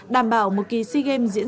đảm bảo một kỳ si game diễn ra